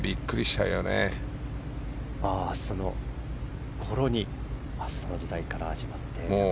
そのころにその時代から始まって。